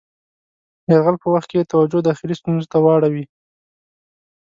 یرغل په وخت کې یې توجه داخلي ستونزو ته واړوي.